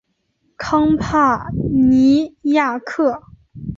康帕尼亚克。